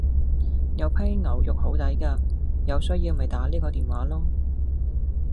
有批牛肉好抵架，有需要咪打呢個電話囉